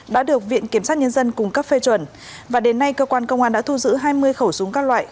đã được viện kiểm sát nhân dân cung cấp phê chuẩn và đến nay cơ quan công an đã thu giữ hai mươi khẩu súng các loại